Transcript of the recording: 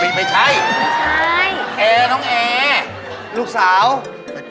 เอาไม่ใช่เหรอ